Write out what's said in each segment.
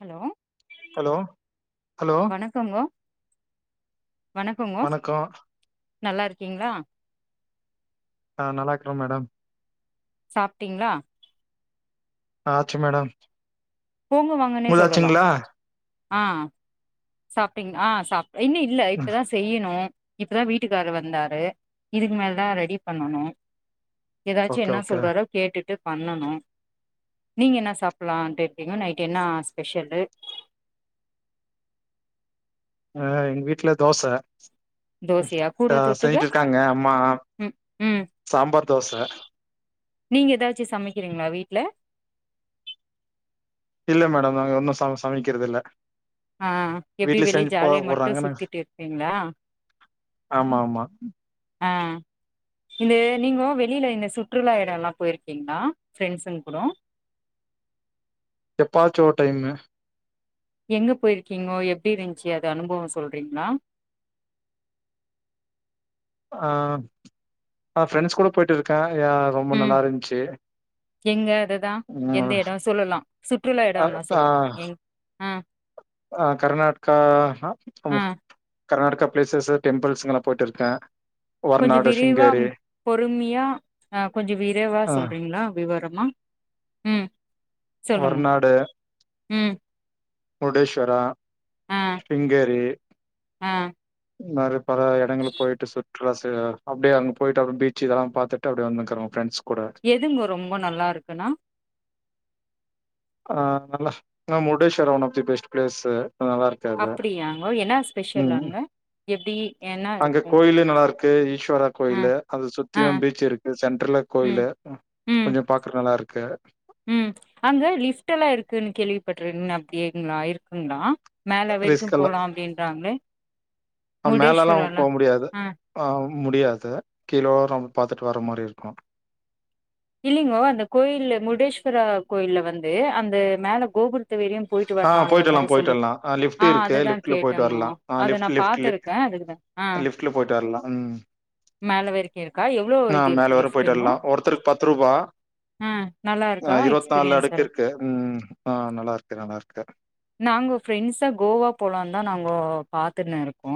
Hello hello hello வணக்கங்கொ வணக்கோ நல்லா இருக்கிங்ளா ஆ நல்லா இருக்றோ மேடம் சாப்ட்டிங்ளா ஆச்சு மேடம் போங்க வாங்கன்னே உங்கள்து சொல்லலா ஆச்சுங்களா ஆ சாப்ட்டிங் ஆ சாப் இன்னும் இல்ல ம் இப்பதான் செய்யணும் இப்பதா வீட்டுக்காரு வந்தாரு இதுக்கு மேலதா ரெடி பண்ணனு ஏதாச்சு ஓகே என்ன ஓகே சொல்றாரோ கேட்டுட்டு பண்ணனு நீங்க என்ன சாப்பிடலான்ட்டு நைட் என்ன ஸ்பெஷல்லு ஆ எங்க வீட்டுல தோச ம் தோசையா கூட ட தொட்டுக்க செஞ்சுட்டு இருக்காங்க அம்மா ம் ம் சாம்பார் தோச நீங்க ஏதாச்சு சமைக்கிறீங்களா வீட்டுல இல்ல மேடம் நாங்க ஒன்னு ச சமைக்கறது இல்ல ஆ எப்பிடி வீட்லயே வெளிய செஞ்சு போ ஜாலிய மட்டும் போடுறாங்க நாங்க சுத்திட்டு இருப்பீங்களா ஆமா ஆமா ஆ இந்த நீங்கோ வெளியில இந்த சுற்றுலா எடோ எல்லா போயிருக்கீங்களா ஃப்ரெண்ட்சுங்க கூடோ எப்பாச்சு ஒரு டைமு எங்க போயிருக்கீங்கோ எப்டி இருந்துச்சு அது அனுபவோ சொல்றீங்களா ஆ ஃப்ரெண்ட்ஸ் கூட போயிட்டு இருக்கே யா ரொம்ப உம் நல்லா இருந்துச்சு எங்க அதுதா எந்த ம் எடோ சொல்லலா சுற்றுலா எடோ ஆ எல்லாம் ஆ சொல்லலா ம் ஆ ஆ கர்நாடகா ஆ ஆமா கர்நாட்டக்கா பிளேசஸ்சு டெம்பிள்ஸ்க்கு நா போயிட்டு இருக்கே கொஞ்சு வர்நாடு விரிவா சிங்கேரி பொறுமையா ஆ கொஞ்சு விரைவா ஆ சொல்றீங்களா விவர மா ம் வர்நாடு உம் முருடேஸ்வரா சிங்கேரி ஆ மாரி பல எடங்களுக்கு போயிட்டு சுற்றுலா சு அப்பிடியே அங்க போயிட்டு அப்புறோ பீச்சு இதெல்லா பாத்துட்டு அப்பிடியே வந்துகுரோம் ஃப்ரெண்ட்ஸ் கூட எதுங்க ரொம்ப நல்லா இருக்குனா ஆ நல்ல Murudeshwar one of the best places அப்பிடியாங்கோ என்னா ஸ்பெஷல் ம் அங்க எப்டி என்ன அங்க இருக்கும்? கோயிலு நல்லா இருக்கு ஈஸ்வரா ஆ கோயிலு அது ஆ சுத்தியு பீச் இருக்கு சென்ட்ரல ம் கோயிலு கொஞ்சு பாக்குற நல்லா இருக்கு கு உம் அங்க லிப்ட் எல்லா இருக்குன்னு கேள்விப்பட்டுறு அப்பிடிங்களா இருக்குங்கள மேல வரைக்கு ரிஸ்க் போலா எல்லா அப்படின்றாங்களே மேலல்லா முடேஸ்வரால போ முடியாது ஆ முடியாது கீழோரோ நம்ம பாத்துட்டு வர மாரி இருக்கு இல்லிங்கோ அந்த கோயில் முருடேஸ்வரா கோயில்ல வந்து அந்த மேல கோபுர த்து வரையு போயிட்டு ஆ வரலா என்ற போயிட்டு மாரி போயிட்டு சொல்லி வரலா லிஃப்ட் ஆ இருக்கு அதுதா லிஃப்ட்ல போயிட்டு கேட்டங்கோ வரலா ஆ அத நா லிஃப்ட் லிஃப்ட் பாத்திருக்கே அதுக்குதா ஆ லிஃப்ட்ல போயிட்டு வரலா ம் மேல வரைக்கு இருக்கா எ ஆ மேல வர போயிட்டு வரலா ஒருத்தர் பத்து ரூபாவ ஆ நல்லா இருக்கா இருபத்தி நாலு எக்ஸ்பீரியன்ஸ் அடுக்கு எல்லா இருக்கு உம் ஆ நல்லா இருக்கு நல்லா இருக்கு நாங்க பாத்துன்னே இருக்கோ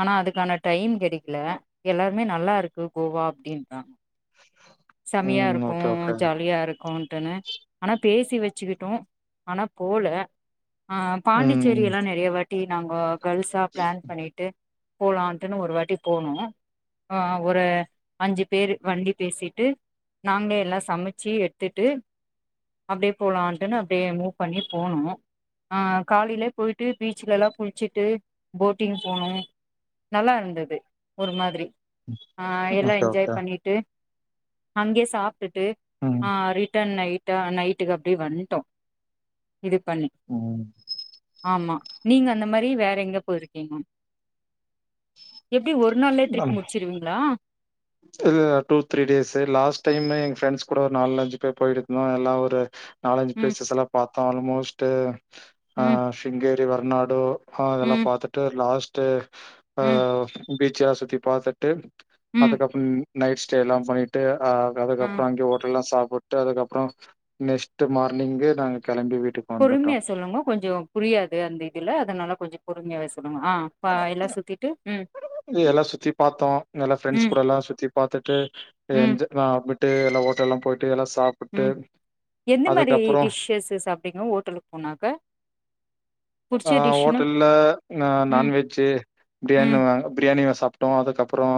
ஆனா அதுக்கான டைம் கிடைக்கல எல்லாருமே நல்லா இருக்கு கோவா அப்படின்றாங் செமையா ம். இருக்கு ஓகே, ஓகே. ஜாலியா இருக்கு ஆனா பேசி வச்சுக்கிட்டோ ஆனா போல ஆ பாண்டிச்சேரி ம். எல்லா நிறைய வாட் ட்டி நாங்கோ கேள்ஸா பிளான் பண்ணிட்டு போலான்ட்டுன்னு ஒரு வாட்டி போனு ஆ ஒரு அஞ்சு பேர் வண்டி பேசிட்டு நாங்களே எல்லா சமைச்சு எடுத்துட்டு அப்படியே போலான்ட்டுன்னு அப்படியே மூவ் பண்ணி போனோ ஆ காலைலயே போயிட்டு பீச்ல எல்லா குளிச்சிட்டு போட்டிங் போனோ நல்லா இருந்தது ஒரு மாதிரி ஆ எல்லா ஓகே, என்ஜாய் ஓகே. பண்ணிட்டு அங்கே சாப் ட்டு ம், ஆ ரிட்டன் நைட் நைட்டுக்கு அப்படியே வந்துட்டோ இது பண் ஆமா நீங்க அந்த மாதிரி வேற எங்க போயிருக்கீங்க எப்படி ஒரு நாள்லய டிருப் ம். முடிச்சிருவீங்களா இல்ல two three days last time எங்க ஃப்ரெண்ட்ஸ் கூட ஒரு நாலு ஞ்சு பேர் போயிட்டு இருந்தோ எல்லா ஒரு நாலஞ்சு ம் பிஸ்ல்லா பாத் ஆல்மோஸ்ட்டு ஆ ம் பிங்கர் வர்நாடு ஆ அதெல்லா ம் பாத்துட்டு லாஸ்ட் ட்டு ஆ ம் பீச்ச சுத்தி பாத்துட்டு ம் அதுக் அப்பும் நைட் ஸ்டே எல்லா பண்ணிட்டு ஆ அதுப்புறம் அங்கே ஹேட்டல்லா சாப்பிட்டு அதுக்கப்புறம் நெக்ஸ்ட் மார்னிங்கு நாங்க கெளம்பி வீட்டுக்கு பொறுமையா வந்துட்டோம். சொல்லுங்க கொஞ்ச புரியாது அந்த இதுல அதனால கொஞ்ச பொறுமையாவே சொல் ஆ எல்லா சுத்திட்டு உம் எல்லா சுத்தி பாத்தோ எல்லா ப்ரெண்ட்ஸ் கூட எல்லாம சுத்தி பாத்துட்டு ம் என்து ஆ பட்டு எல்லா ஓட்டல்லாம் போய் ம் எந்த மாரி அதுக்கப்புறோ டிஷ்ஷஸு சாப்டிங்கோ ஓட்டலுக் போனாக்க புடிச்ச ஆ டிஷ்னா ஹோட்டல்ல நா ம் நான்வெஜ்ஜு பிரியாணி ம் பிரியாணி சாப் டோ அதுக்கப்றோ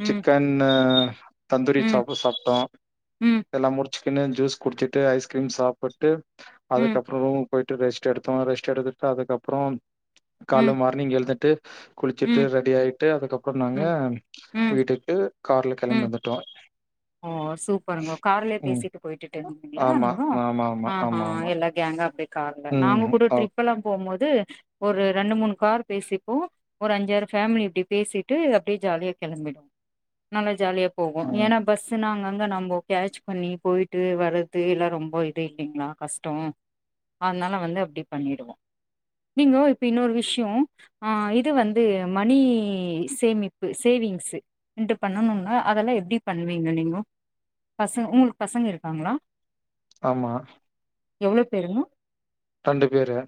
ம் சிக்கன்னு தந்தூரி ம் சாப்பு சாப்ட்டோ ம் எல்லா முடிச் சிக்கனு ஜூஸ் குட்ச்சிட்டு ஐஸ்க்ரீம் சாப்புட்டு ம் அதுக்கப்ர உ பொய்ட்டு ரெஸ்ட் எடுத்தோ ரெஷ் செடுதுப்ப அதுக்கப்றோ கால்ல ம் மார்னிங் எல்ந்துட்டு ம் குளிச்சிட்டு ம் ரெடி ஆய்ட்டு அதுக்கப்ரொ நாங்க ம் ம் வீட்டுட்டு கார்ல ம் கெலம் வந்துட்டோ ஓ சூப்பருங்ஹோ கார்லே ம் பேசிட்டு பொய்ட்டுட்டு ர்ந்திங்ளா ஆமா நிங்ஹோ ஆமா ஆமா ஆஹ ஆமா ஆமா எல்லாயு அங்க அப்டே கார்ல ம் நாங்க கூட ஓ ட்ரிப்பல்லா போ மோது து ஒரு ரெண்டு மூணு கார் பேசிப்போ ஒரு அஞ்சி ஆறு ஃபேமிலி இப்டி பேசிட்டு அப்டே ஜாலியா கெலம்பிடு நல்லா ஜாலிய போகு நீ ம் ஏனா செ நாங்அங்க நம்போ கேட்ச் பண்ணி போய்ட்டு வறத்து எல்லா ரொம்பொ இதே இல்லிங்ளா கஸ்டோ அத்னால வந்து அப்டி பண்ணிடுவோ நீங்ஹோ இப்ப இன்னொரு விஷ்யோ அ இது வந்து மணி சேமிப்பு சேவிங்ஸு இன்டு பண்ணனுன்னா அதல்லா எப்டி பண்வீங்க நீங்கோ பசங் உங்ளுக்கு பசங்க இருக்காங்ளா ஆமா எவ்ளோ பேருங்கோ தண்டு பேரு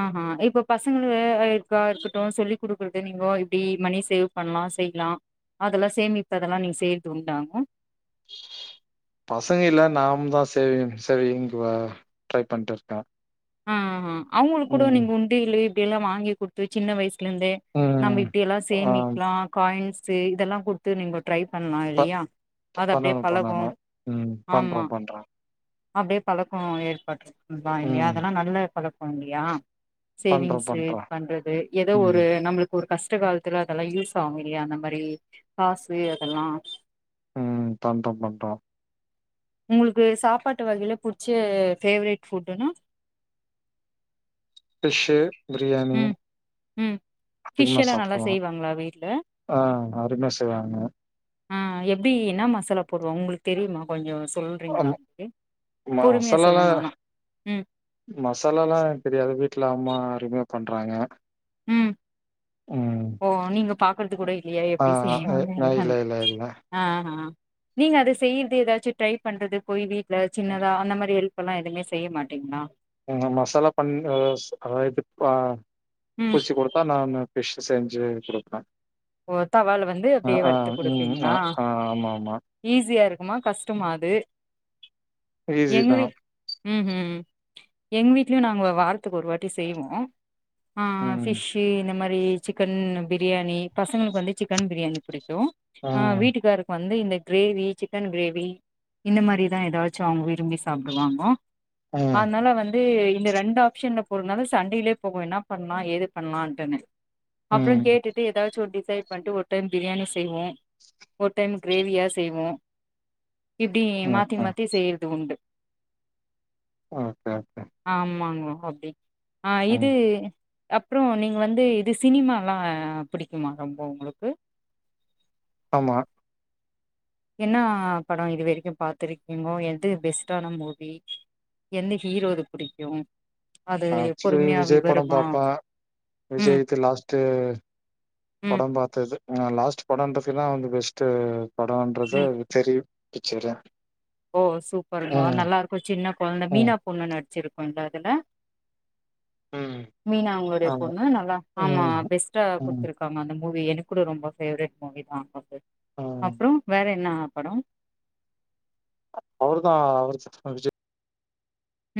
ஆஹ இப்போ பசங்களு இருக்கா இருக்கட்டு சொல்லி குடுக்குறது நீங்கோ இப்டி மணி சேவ் பண்லா செய்லா அதெல்லா சேமிப்பு அதெல்லா நீங்க செய் துண்டாங்க பசங்க இல்ல நாம்தா சேவி சேவிங்க ட்ரை பண்ட்டு இருக்கே ஆ அவுங்களுக்கு கூட நீங்க உண்ட இல்லயே இத எல்லாம் வாங்கி குடுத்து சின்ன வயசு இருந்தே நம்ம ம் இப்பிடி எல்லாம் ஆ சேமிக்கலாம் காயின்ஸ் நட்ஸே இதெல்லா குடுத்து நீங்க ட்ரை பண்ணலாம் ப இல்லயா அது அப்பிடியே பண்ணணும் பழகும் பண்ணணும் ம் ஆமா பண்றோம் பண்றோம் அப்பிடியே பழக்கம் ஏற்பட் நா இல்லையா ம் குழப்போம் இல்லையா சேரிங்க பண்றோம் சார் பண்றோம் பண்றது ஏதோ ம் ஒரு நம்மளுக்கு ஒரு கஷ்ட கஷ்ட காலத்துல அதெல்லாம் யூஸ் ஆகும் இல்லையா அந்த மாரி காசு அதெல்லாம் ம் பண்றோம் பண்றோம் உங்களுக்கு சாப்பாட்டு வகையில புடிச்ச ஃபேவரட் ஃபட்டுனா டிஷ்ஷு பிரியாணி ம் ஃபிஷ் அதிகமா எல்லா நல்லா சாப்டுவோ செய்வாங்களா வீட்ல ஆ அரும்யா செய்வாங்க ஆ எப்டி என்ன மசாலா போடுவா உங்ளுக்கு தெரிமா கொஞ்ச ஸ் அம ம மசாலல்லா சொல்லுங்க ஆனா ம் மசாலல்லா எனக் தெரியாது வீட்ல அம்மா அரும்யா பண்றாங்க ம் ம் ஓ நீங்க பாக்கறது கூட இல்லியா ஆ எப்டி செய்யுனுன் இல்ல என்னானு இல்ல இல்ல ஆ ஹா நீங்க அது செய்ர்து எதாச்சு ட்ரை பண்றது போய் வீ ட்ல சின்னதா அந்த மாரி எல் ப்பெல்லா எதுமே செய்ய மாட்டீங்ளா உஹூ மசாலா பண் அ ஸ் அ இது பா ம் [unintelligible] குடுத்தா நானு ஃபிஷ்ஷு செஞ்சு குடுப்பே ஓ தவால வந்து அப்டியே வறுத்து ம் அ குடுப்பிங்ளா ஆ ஆமா ஆமா ஈஸியாரு உமா கஷ்டமா அது ஈசி தா ம்ஹூ எங் வீட்லியு நாங்க வார துக்கு ஒரு வாட்டி செய்வோ ஆ ம் ஃபிஷ்ஷீ இந்த மா பேயி சிக்கன் பிரியாணி பசங்களுக்கு வந்து சிக்கன் பிரியாணி பிடிக் ட்டு அ ம் வீட்டுக்காருக்கு வந்து இந்த கிரேவி சிக்கன் கிரேவி இந்த மாரிதா எதாச்சு அவுங்க வி ரும்பி சாப்டுவாங்கோ ம் அதனால வந்து இந்த ரெண்டு ஆப்ஷன்ல போறதனால சண்டைலியே போகு என்னா பண்லா ஏது பண்லான்ட்டுனு அப்றோங் ம் கேட்டுட்டு எதா டிசைட் பண்ட்டு ஒர் டைம் பிரியாணி செய்வோ ஒர் டைம் கிரேவியா செய்வோ இப்டி மாத்தி ஓகே மாத்தி செய்றுது உண்டு ஓகே ஓகே ஆமாங்கோ அப்டி ஆ இது ம் அப்றோ நீங்க வந்து இது சினிமால்லா பிடிக்குமா ரொம்ப உங்ளுக்கு ஆமா என்னா படோ இது வரைக்கு பாத்துருக்கீங்கோ எது பெஸ்டான மூவி எந்த ஹீரோது புடிக்கு அது ஆக்சூஅலீ பொறுமையா விஜய் படம் விவரமா பாப்பே ம் விஜய்து லாஸ்ட்டு ம் படம் பாத்தது ஆ லாஸ்ட் [unintelligible] அவந்து பெஸ்ட்டு படோன்றது ம் தெரி பிச்சுர்றே ஓ சூப்பருங்கோ நல்லா இருக்கோ சின்ன கொழந்த ம் மீனா பொண்ணு ந சிறு பண்றாதுல ம் மீனா அவுங்குளுடைய ஆமா பொண்ணு நல்லா ஆமா ம் பெஸ்ட்டா ம் குடுத்திருக்காங்க அந்த மூவி எனக் கூட ரொம்ப ஃபேவரிட் மூவிதா ம் அப்றோ வேற என்னா படோ அவர்தா அவர [unintelligible] விஜய்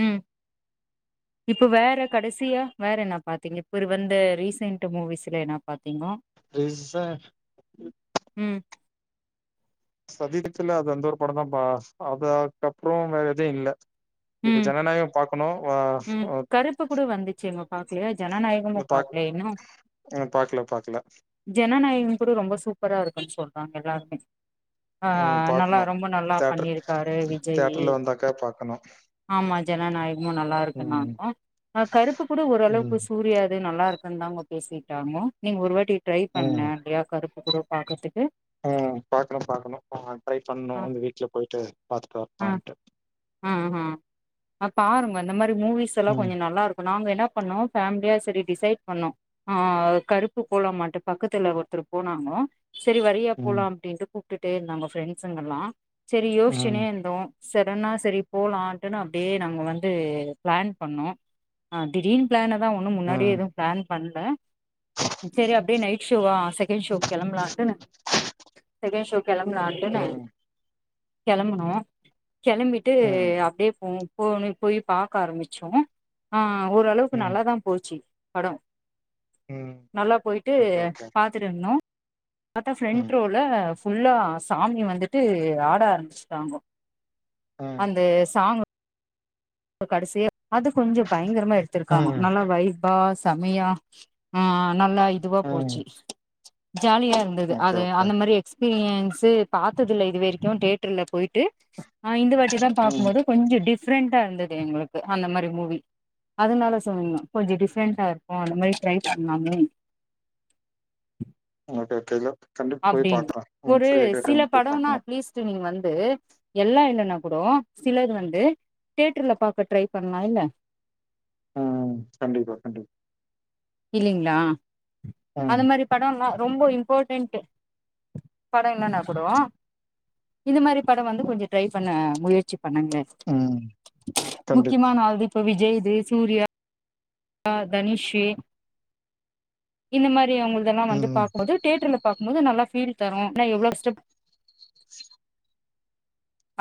ம் இப்ப வேற கடைசியா வேற என்னா பாத்தீங்க இவரு வந்த ரீசென்ட் மூவிஸ்ல என்னா பாத்தீங்கோ ரீசென் ம் சதித்தித்துல அது அந்த ஒரு படந்தா பா அதாக்கப்று வேற எச்சு இல்ல இப்ப ம் ஜனநாயகோ பாக்கணோ வா ஆ பாக்லியா ஜனநாயகமு பாக் பாக்லே இன்னு ம், பாக்கல பாக்கல ஜனநாயகம் கூட ரொம்ப சூப்பரா இரு பொய் சொல்றாங்க எல்லாருமே ஆ ம் நல்லா பாக்கணு ரொம்ப நல்லா தேட்டர் பண்ணியிருக்காரு விஜயீ தேட்டர்ல வந்தாக்கா பாக்கணு ஆமா ஜனநாயகமு நல்லா இருக்கு ம் நாங்க ஆ கருப்பு கூட ஒரளவுக்கு ம் சூர்யாது நல்லா இ தந்தாங்கோ பேசிட்டாமோ நீங் ஒருவாட்டி ட்ரை பண்ணே எப்டியாத் கருப் அப்ப கூட பாக்கற்துக் ஆ பாக்ணு பாக்கணு ஆ ட்ரை பண்ணோ ஆ அந்த வீட்ல போயிட்டு பாத்துட்டு வர்லாம்ட்டு ம் ம் ஆ பாருங்கோ இந்த மாரி து மூவிஸ் எல்லா ம் கொஞ்சோ நல்லாருக் நாங்க என்னா பண்ணோ ஃபேமிலியா செரி டிசைட் பண்ணோ ஆ கருப்பு போலாமான்ட்டு பக்கத்துல ஒர்த்தரு போனாங்கோ செரி வரியா போலா ம் அப்டின்ட்டு கூப்ட்டுட்டே இந்தாங்கோ ஃப்ரெண்ட்ஸ்சுங்யெல்லா செரி யோசிச்சுன்னே ம் இந்தோ செடெனா செரி போலான்ட்டுனு அப்டே நாங்க வந்து பிளான் பண்ணோ ஆ திடீர்னு பிளான் த ஒண்ணு முன்னாடியே ம் எதும் பிளான் பண்ல செரி அப்டே நைட் ஷோவா செரி செகண்ட் ஷோக் கெளம்புலாட்டுனு செகண்ட் ஷோக் கெளம்புலாண்டுனு ம் கெளம்புனோ கெளம்பி டு ம் அப்டே போம் போ ன்னிக் போய் பாக்க ஆரம்பிச்சோம் ஆ ஓரளவுக்கு ம் நல்லாதா போச்சு படம் ம் நல்லா போயிட்டு ஓகே ஓகே பாத்துட்டு இருந்தோ பத்தா ஃப்ரெண்ட் ம் ரோல ஃபுல்லா சாமி வந்துட்டு ஆட ஆரம்பிச்சுட்டாங்கோ ம் ஒ கடைசியா அது கொஞ்சம் பயங்கரமா எடுத்துருக்காங்க ம் நல்லா வைப்பா ஸ் சமயோ ஆ நல்லா இதுவா ம் போச்சு ஜாலியா இருந்தது ஓகே அது ஓகே அந்த மாரி எக்ஸ் பிரியன்ஸு பாத்ததில்ல இது வெரிக்கும் டேட்டர்ல போயிட்டு் அ இந்த வாட் டிதா பாக்கும் ம் போது கொஞ்ச டிஃப் ஃப்ரண்டா இருந்து எங்களுக்கு அந்த மாரி மூவி அதனால சொல்லுங்னா கொஞ்ச டிஃப்ரெண்டா இருக்கும் அந்த மாரி ட்ரை பண்லாமே [unintelligible] போய் அப்டின்னு பாக்குறே ம் ஒரு ஃப்ரீயா இருக்குற சில டைம் போய் படோன்னா பாக்கணு அட்லீஸ்ட்டு நீங்க வந்து எல்லா இல்லன்னா கூடோ சிலது வந்து தியேட்ர்ல பாக்க ட்ரை பண்லா இல்ல ம் கண்டிப்பா கண்டிப்பா இல்லிங்களா ம் அது மாரி படோல்லா ரொம்ப இம்பார்ட்டன்ட் படோ இல்லனா கூடோ இந்த மாரி படம் வந்து கொஞ்ச ட்ரை பண்ண முயற்சி பண்ணுங்க ம் கண்டிப்பா முக்கியமான ஆள்து இப்ப விஜய் ஜெய் சூரியா தனிஷி இந்த மாரி ப்டி அவுங்குள்தெல்லா வந்து ம். பாக்கும்போது டேட்ர்ல பாக் போது நல்லா ஃபீல் தரு ஆனா எவ்ளோ ஸ்டெப்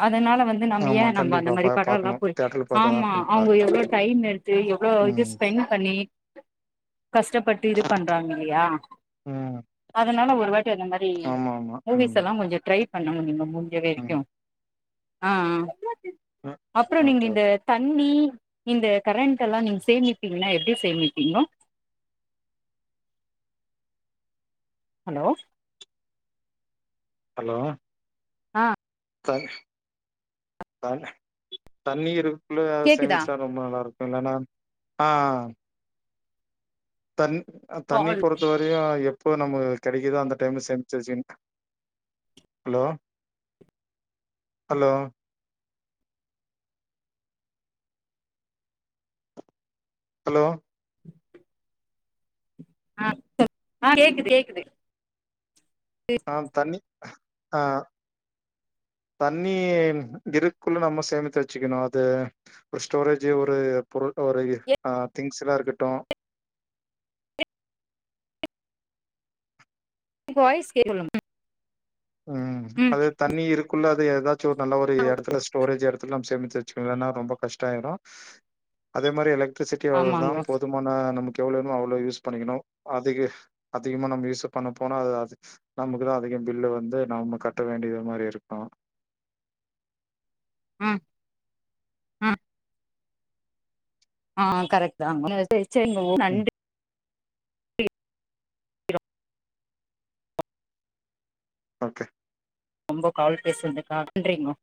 அதனால வந்து நம்ப ஏ ஆமா. நம்ப அந்த கண்டிப்பா பா மாரி படோல்லா பாக்கணும். போய் தியேட்டர்ல பாத்தா தான் ஆமா கொஞ்சம் அவுங்க நல்லாருக்கும். எவ்ளோ டைம் எடுத்து எவ்ளோ இது ம். ஸ்பெண் பண்ணி கஷ்டப்பட்டு இது பண்றாங்க இல்லையா ம். அதனால ஒரு வாட்டி அந்த மாரி ஆமாமா. ம். மூவிஸ் எல்லா கொஞ்சொ ட்ரை பண்ண ம். முடியு [unintelligible] அ அ ம். அப்றம் நீங்க ஓகே, இந்த ஓகே. தண்ணி இந்த கரண்ட்டெல்லா நீங்க சேமிப்பீங்கன்னா எப்டி சேமிப்பீங்கோ ஹலோ ஹலோ ஆ த த தண்ணீரு [unintelligible] கேக்குதா சேமிச்சா ரொம்ப நல்லாருக்கு என்னனா ஆ ஆ தண் அ தண்ணி கால் பொறுத்த வரையு எப் எப்போ நம்ம கெடைக்கிதோ அந்த டைம்ல சேமிச்சு வச்சுங்க ஹலோ ஹலோ ஹலோ ஆ சொல் [unintelligible] கேக்குது கேக்குது ஆ தண்ணி ஆ தண்ணி இருக்குள்ள நம்ம சேமித்து வச்சிக்கணு அது ஒரு ஸ்டோரேஜ் ஒரு பொருள் ஒரு ஆ திங்ஸ்லா இருக்கட்டு உங்க வாய்ஸ் கேக்கணு [unintelligible] உம் அது தண்ணி இருக்குல [unintelligible] எதா ச்சு நல்ல ஒரு ம் எடத்துல ஸ்டோரேஜ் [unintelligible] எல்லாம் சேமிச்சு வச்சுக்கலன்னா ரொம்ப கஷ்டொ ஆயிடு அதே மாரி எலக்ட்ரிசிட்டி அவ்ளோ தா ஆமாங்கோ போதுமான நமக்கு எவ்ளோ வேணுமோ அவ்ளோ யூஸ் பண்ணிக்கணு அதிக அதிகமாக நம்ம யூசு பண்ண போனா அது அது நமக்கு தா அதிக பில்லு வந்து ந்து நாம கட்ட வேண்டியது மாரி இருக்கு ம் ம் ஆ கரெக்ட் தாங்க [unintelligible] சேரிங்க [unintelligible] ம். நன்றி ஓகே ரொம்ப கால் பேசிருந் [unintelligible] நன்றிங்க